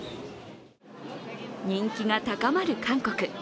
人気が高まる韓国。